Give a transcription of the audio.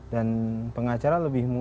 dan pengacara lebih